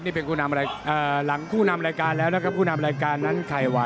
ครับครับครับครับครับครับครับครับครับครับครับครับครับครับครับครับ